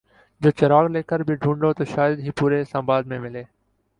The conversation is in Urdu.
جو چراغ لے کر بھی ڈھونڈو تو شاید ہی پورے اسلام آباد میں ملے ۔